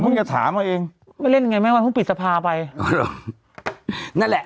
แต่มึงก็ถามกันเองไม่เล่นยังไงเมื่อวานเพิ่งปิดสภาไปนั่นแหละ